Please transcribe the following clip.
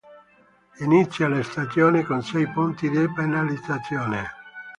Inizia la stagione con sei punti di penalizzazione.